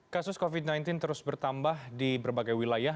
kasus covid sembilan belas terus bertambah di berbagai wilayah